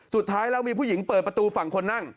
สุดท้ายแล้วมีผู้หญิงเปิดประตูฝั่งคนนั่ง